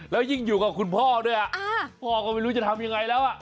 แล้วยิ่งอยู่กับคุณพ่อด้วยพ่อก็ไม่รู้จะทำยังไงแล้ว